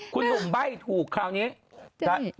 คุณหนุ่มใบ้ถูกคราวนี้